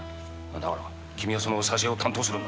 だから君はその挿絵を担当するんだ。